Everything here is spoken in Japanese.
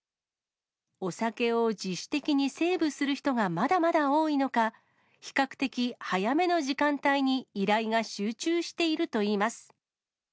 お酒を自主的にセーブする人がまだまだ多いのか、比較的早めの時間帯に依頼が集中しているといいます。